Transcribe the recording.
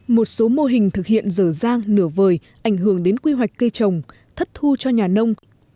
một số mô hình thực hiện dở dang nửa vời ảnh hưởng đến quy hoạch cây trồng thất thu cho nhà nông